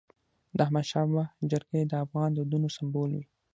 د احمدشاه بابا جرګي د افغان دودونو سمبول وي.